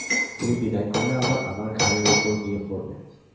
তুমি বিদায় করলে আবার আমার ঘাড়ের উপর গিয়ে পড়বে।